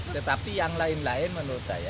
tetapi yang lain lain menurut saya